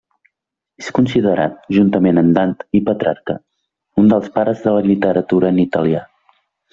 És considerat, juntament amb Dant i Petrarca, un dels pares de la literatura en italià.